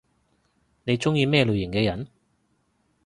你中意咩類型嘅人？